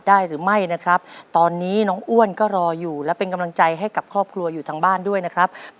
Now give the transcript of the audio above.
หรือไม่นะครับตอนนี้น้องอ้วนก็รออยู่และเป็นกำลังใจให้กับครอบครัวอยู่ทางบ้านด้วยนะครับ